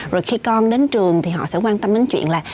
rồi khi con đến trường thì họ sẽ quan tâm đến chuyện là